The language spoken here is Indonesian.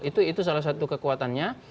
itu salah satu kekuatannya